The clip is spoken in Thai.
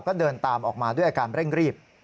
ก็เดินตามออกมาด้วยอาการเร่งรีบ